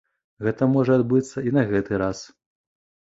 Гэта можа адбыцца і на гэты раз.